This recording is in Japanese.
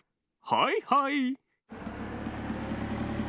はいはい。